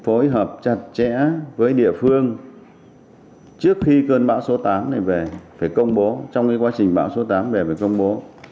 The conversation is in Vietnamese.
phối hợp chặt chẽ với địa phương trước khi cơn bão số tám này về phải công bố trong quá trình bão số tám về phải công bố